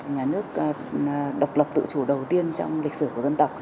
nhà nước độc lập tự chủ đầu tiên trong lịch sử của dân tộc